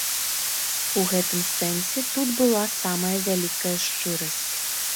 У гэтым сэнсе тут была самая вялікая шчырасць.